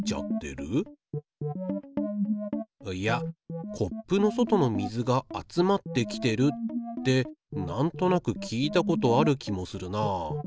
いやコップの外の水が集まってきてるってなんとなく聞いたことある気もするな。